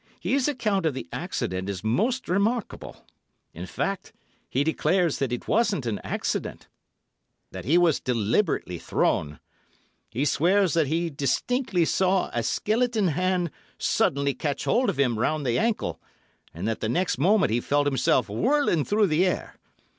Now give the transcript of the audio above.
His account of the accident is most remarkable; in fact, he declares that it wasn't an accident, that he was deliberately thrown. He swears that he distinctly saw a skeleton hand suddenly catch hold of him round the ankle, and that the next moment he felt himself whirling through the air.